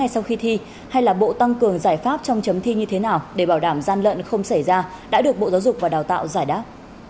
sau khi thi hay là bộ tăng cường giải pháp trong chấm thi như thế nào để bảo đảm gian lận không xảy ra đã được bộ giáo dục và đào tạo giải đáp